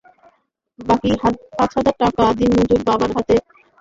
বাকি পাঁচ হাজার টাকা দিনমজুর বাবার হাতে দিয়ে শিশুটিকে গ্রামছাড়া করেন।